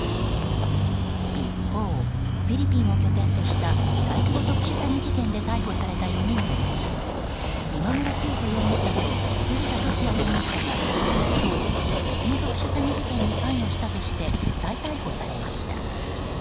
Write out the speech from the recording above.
一方、フィリピンを拠点とした大規模特殊詐欺事件で逮捕された４人のうち今村磨人容疑者と藤田聖也容疑者が今日、別の特殊詐欺事件に関与したとして再逮捕されました。